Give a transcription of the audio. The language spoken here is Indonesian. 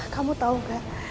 kamu tau gak